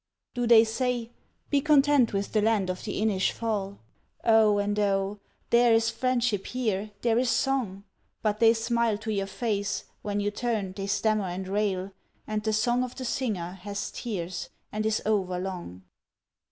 Do they say, "Be content with the land of the Innis Fail, O and O! there is friendship here, there is song." But they smile to your face, when you turn they stammer and rail And the song of the singer has tears and is over long!